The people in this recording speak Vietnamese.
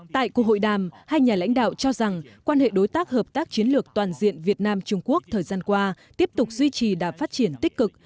tại cuộc hội đàm hai nhà lãnh đạo cho rằng quan hệ đối tác hợp tác chiến lược toàn diện việt nam trung quốc thời gian qua tiếp tục duy trì đạt phát triển tích cực